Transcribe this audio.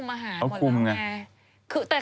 เอาคุมอาหารหมดแล้วเอาคุมไง